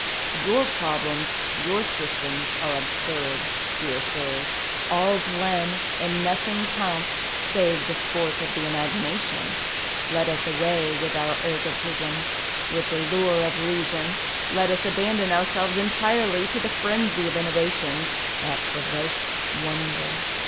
Your i)roblcms, your systems, are absurd, dear sirs ; all's one and nothing counts save the sport of the imagination. Let us away with 2»5 PASTICHE AND PREJUDICE our ergotism, with the hire of reason, let us abandon ourselves entirely to the frenzy of innovations that provoke wonder."